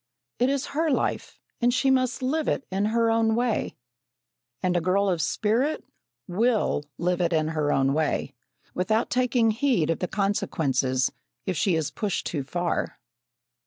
It is her life, and she must live it in her own way, and a girl of spirit will live it in her own way, without taking heed of the consequences, if she is pushed too far.